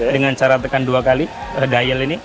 dengan cara tekan dua kali diel ini